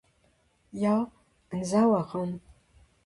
Ya, anzav a ran.